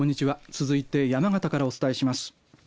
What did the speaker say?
続いて山形からお伝えします。